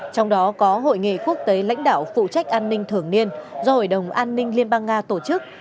trong đó có hội nghị quốc tế lãnh đạo phụ trách an ninh thường niên do hội đồng an ninh liên bang nga tổ chức